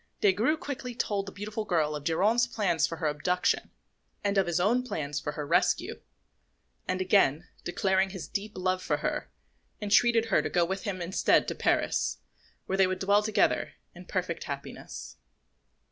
Des Grieux quickly told the beautiful girl of Geronte's plot for her abduction, and of his own plans for her rescue; and again declaring his deep love for her, entreated her to go with him instead to Paris, where they would dwell together in perfect happiness.